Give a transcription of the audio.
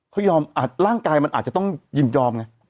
เขายอมอาจร่างกายมันอาจจะต้องยืนยอมเนี่ย